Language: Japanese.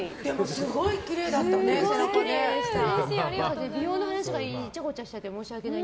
すごいきれいだったよね背中ね。